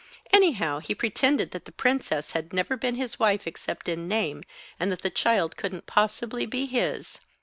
Anyhow, he pretended that the princess had never been his wife except in name, and that the child couldn't possibly be his.